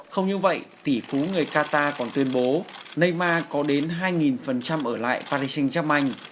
không như vậy tỷ phú người qatar còn tuyên bố neymar có đến hai ở lại paris saint germain